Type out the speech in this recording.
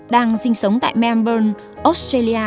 đang sinh sống tại melbourne australia